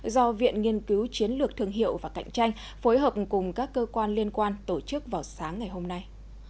do viện nghiên cứu chiến lược thương hiệu và cạnh tranh phối hợp cùng các cơ quan liên quan tổ chức vào sáng ngày hôm nay